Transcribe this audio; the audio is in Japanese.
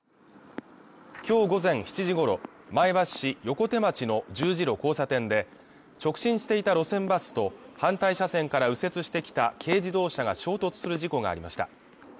今日午前７時ごろ前橋市横手町の十字路交差点で直進していた路線バスと反対車線から右折してきた軽自動車が衝突する事故がありました